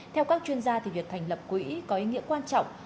theo các chuyên gia việc thành lập quỹ có ý nghĩa quan trọng